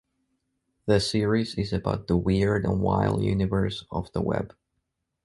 The series is about the weird and wild universe of the web.